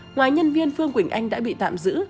ngoài nhân viên phương quỳnh anh đã bị tạm giữ